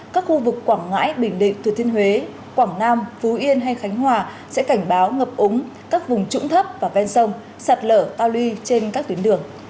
các khu vực quảng ngãi bình định thừa thiên huế quảng nam phú yên hay khánh hòa sẽ cảnh báo ngập úng các vùng trũng thấp và ven sông sạt lở tao ly trên các tuyến đường